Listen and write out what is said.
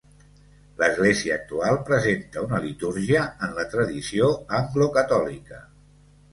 L'església actual presenta una litúrgia en la tradició anglocatòlica.